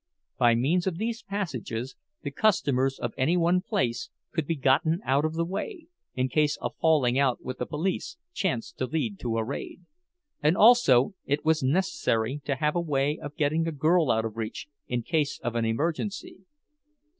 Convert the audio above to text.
By means of these passages the customers of any one place could be gotten out of the way, in case a falling out with the police chanced to lead to a raid; and also it was necessary to have a way of getting a girl out of reach in case of an emergency.